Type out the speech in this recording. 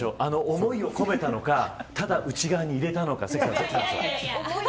思いを込めたのかただ内側に入れたのか。